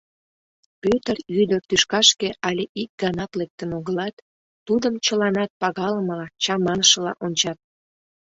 Пӧтыр ӱдыр тӱшкашке але ик ганат лектын огылат, тудым чыланат пагалымыла, чаманышыла ончат.